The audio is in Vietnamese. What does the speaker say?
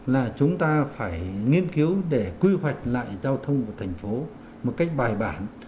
là chúng ta phải nghiên cứu để quy hoạch lại giao thông của thành phố một cách bài bản